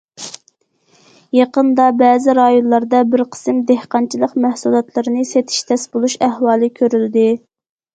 يېقىندا بەزى رايونلاردا بىر قىسىم دېھقانچىلىق مەھسۇلاتلىرىنى سېتىش تەس بولۇش ئەھۋالى كۆرۈلدى.